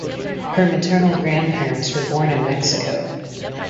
Her maternal grandparents were born in Mexico.